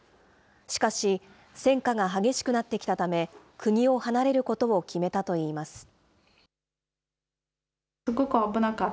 しかし、戦禍が激しくなってきたため、国を離れることを決めたといいます。